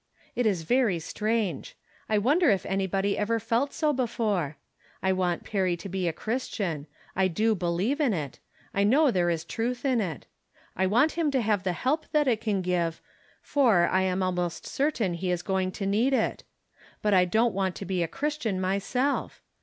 It is very strange. I wonder if anybody ever felt so before ? I want Perry to be a Chris tian. I do believe in it. I know there is truth in it. I want him to have the help that it can give, for I am almost certain that he is going to need it. But I don't want to be a Christian my self?